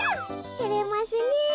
てれますねえ。